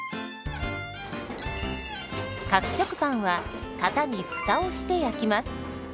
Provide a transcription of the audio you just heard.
角食パンは型に「フタ」をして焼きます。